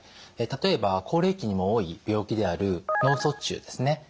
例えば高齢期にも多い病気である脳卒中ですね